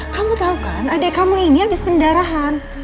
kamu tau kan adek kamu ini abis pendarahan